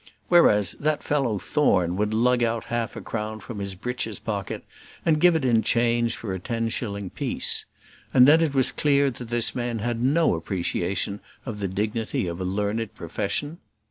Whereas, that fellow Thorne would lug out half a crown from his breeches pocket and give it in change for a ten shilling piece. And then it was clear that this man had no appreciation of the dignity of a learned profession.